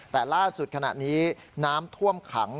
แต่ล่าสุดขณะนี้น้ำท่วมขัง